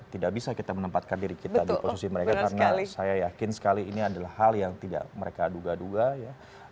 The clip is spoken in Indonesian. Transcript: tidak bisa kita menempatkan diri kita di posisi mereka karena saya yakin sekali ini adalah hal yang tidak mereka duga duga ya